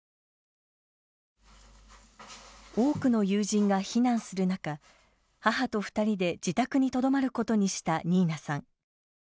多くの友人が避難する中母と２人で自宅にとどまることにしたニーナさん。